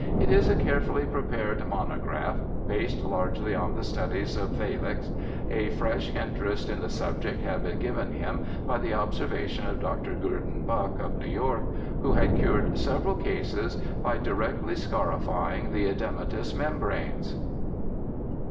It is a carefully prepared mono graph, based largely on the studies of Valleix ; a fresh interest in the subject had been given him by the observations of Dr. Gurdon Buck, of New York, who had cured several cases by directly scarifying the oedematous membranes.